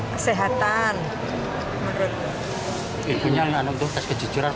kesehatan menurut ibu